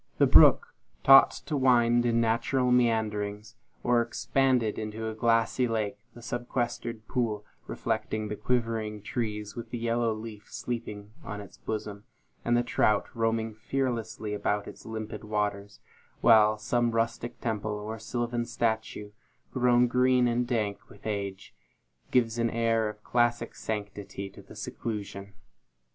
The brook, taught to wind in natural meanderings, or expand into a glassy lake the sequestered pool, reflecting the quivering trees, with the yellow leaf sleeping on its bosom, and the trout roaming fearlessly about its limpid waters; while some rustic temple, or sylvan statue, grown green and dank with age, gives an air of classic sanctity to the seclusion.